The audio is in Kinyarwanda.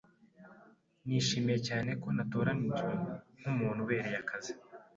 Nishimiye cyane ko natoranijwe nkumuntu ubereye akazi.